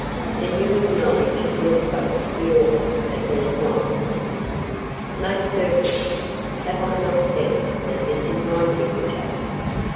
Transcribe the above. "Then you acknowledge yourself the author of these lines?" "Most certainly. Have I not said that this is my signature?"